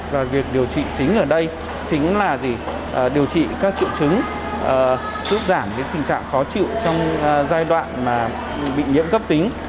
và việc điều trị chính ở đây chính là điều trị các triệu chứng giúp giảm những tình trạng khó chịu trong giai đoạn bị nhiễm cấp tính